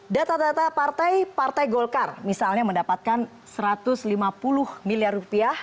data data partai partai golkar misalnya mendapatkan satu ratus lima puluh miliar rupiah